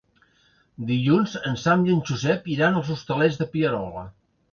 Dilluns en Sam i en Josep iran als Hostalets de Pierola.